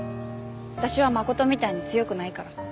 私は真琴みたいに強くないから。